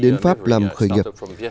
đến pháp làm khởi nghiệp